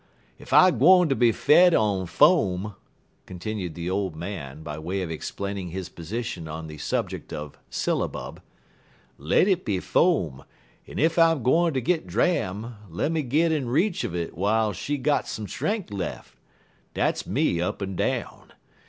Ef I'm gwine ter be fed on foam," continued the old man, by way of explaining his position on the subject of syllabub, "let it be foam, en ef I'm gwine ter git dram, lemme git in reach un it w'ile she got some strenk lef'. Dat's me up an down.